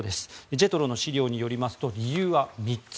ＪＥＴＲＯの資料によりますと理由は３つ。